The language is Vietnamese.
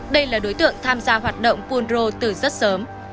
đây là đối tượng tham gia hoạt động phú đô từ rất sớm